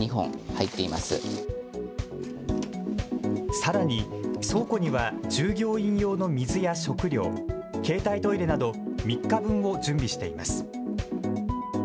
さらに倉庫には従業員用の水や食料、携帯トイレなど３日分を準備しています。